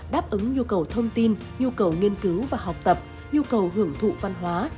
đáp ứng nhu cầu thông tin nhu cầu nghiên cứu và học tập nhu cầu hưởng thụ văn hóa